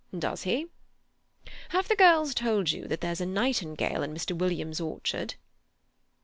"Does he? Have the girls told you that there's a nightingale in Mr. Williams's orchard?"